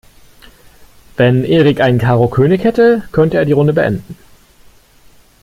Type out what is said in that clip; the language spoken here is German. Wenn Erik einen Karo-König hätte, könnte er die Runde beenden.